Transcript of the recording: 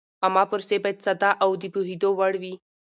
عامه پروسې باید ساده او د پوهېدو وړ وي.